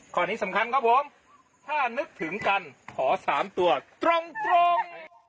ข้อนี้สำคัญครับผมถ้านึกถึงกันขอ๓ตัวตรง